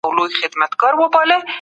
د پزې سپرې اکسیټوسین خوشې کوي.